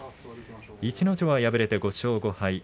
逸ノ城は敗れて５勝５敗。